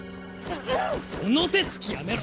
その手つきやめろ！